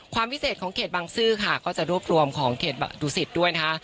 ความพิเศษของเขตบังซื้อค่ะก็จะรวบรวมของเขตดุสิตด้วยนะคะ